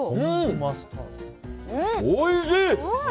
おいしい！